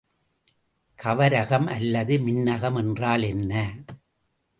கவரகம் அல்லது மின்னகம் என்றால் என்ன?